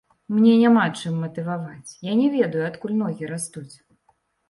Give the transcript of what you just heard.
Мне няма чым матываваць, я не ведаю, адкуль ногі растуць.